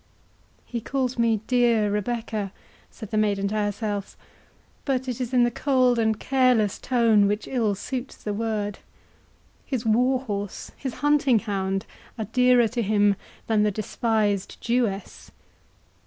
"He calls me DEAR Rebecca," said the maiden to herself, "but it is in the cold and careless tone which ill suits the word. His war horse—his hunting hound, are dearer to him than the despised Jewess!"